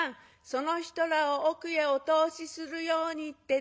その人らを奥へお通しするようにって旦那さんが」。